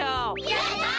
やった！